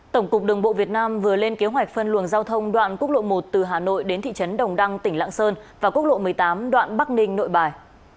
tổng cục đường bộ việt nam vừa lên kế hoạch phân luồng giao thông đoạn quốc lộ một từ hà nội đến thị trấn đồng đăng tỉnh lạng sơn và quốc lộ một mươi tám đoạn bắc ninh nội bài